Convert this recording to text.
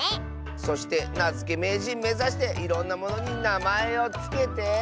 そしてなづけめいじんめざしていろんなものになまえをつけて。